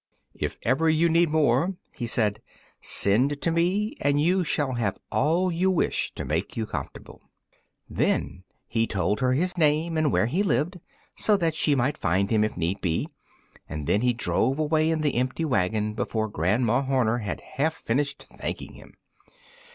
"If ever you need more," he said, "send to me, and you shall have all you wish to make you comfortable." Then he told her his name, and where he lived, so that she might find him if need be, and then he drove away in the empty wagon before Grandma Horner had half finished thanking him.